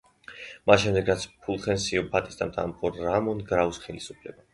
მას შემდეგ, რაც ფულხენსიო ბატისტამ დაამხო რამონ გრაუს ხელისუფლება.